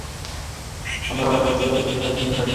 অন্যরা রাগ করলে chocolate, ice cream, sari, iPhone gift পায়।